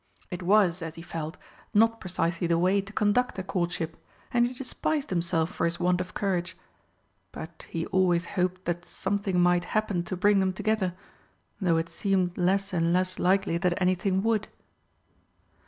It was, as he felt, not precisely the way to conduct a courtship, and he despised himself for his want of courage. But he always hoped that something might happen to bring them together, though it seemed less and less likely that anything would.